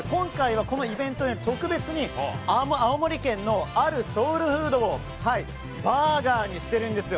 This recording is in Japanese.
今回はこのイベントに特別に青森県のあるソウルフードをバーガーにしているんです。